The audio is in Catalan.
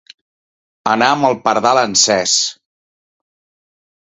Anar amb el pardal encès.